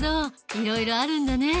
いろいろあるんだね。